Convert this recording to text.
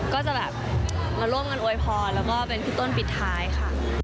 ก็จะแบบมาร่วมกันอวยพรแล้วก็เป็นพี่ต้นปิดท้ายค่ะ